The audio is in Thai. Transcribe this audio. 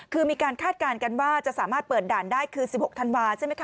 คือมีการคาดการณ์กันว่าจะสามารถเปิดด่านได้คือ๑๖ธันวาใช่ไหมค